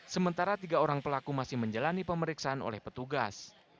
sementara tiga orang pelaku masih menjalani pemeriksaan oleh petugas